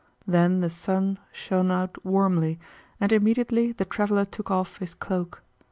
Then the Sun shined out warmly, and immediately the traveler took off his cloak.